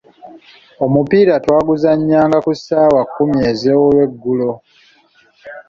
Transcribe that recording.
Omupiira twaguzannyanga ku ssaawa kkumi ez’olweggulo.